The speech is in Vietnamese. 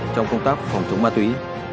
trong công tác phòng chống ma túy